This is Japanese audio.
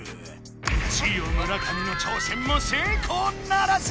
ジオ村上の挑戦も成功ならず。